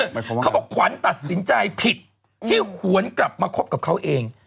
เขาบอกขวัญตัดสินใจผิดที่หวนกลับมาคบกับเขาเอง